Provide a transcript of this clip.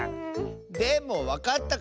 でもわかったかも！